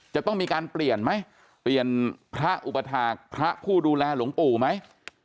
จะต้องมีการเปลี่ยนไหมเปลี่ยนพระอุปถาคพระผู้ดูแลหลวงปู่ไหม